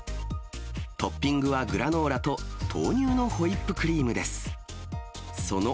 トッピングはグラノーラと、豆乳のホイップクリームです。